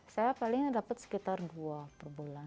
saya paling dapat sekitar dua perbulan